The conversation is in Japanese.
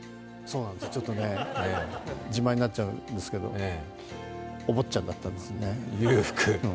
ちょっとね、自慢になっちゃうんですけど、おぼっちゃんだったんですね。